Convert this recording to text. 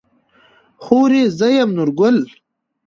خورې زه يم نورګل.